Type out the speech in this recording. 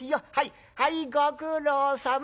はいご苦労さま。